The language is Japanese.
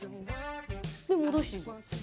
で戻して。